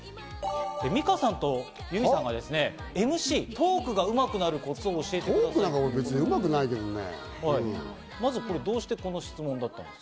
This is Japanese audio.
ミカさんと結海さんはＭＣ、トークがうまくなるコツを教えてくださいってことです。